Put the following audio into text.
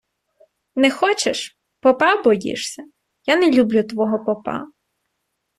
Не хочеш? Попа боїшся? Я не люблю твого попа.